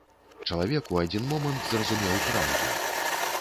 Чалавек у адзін момант зразумеў праўду.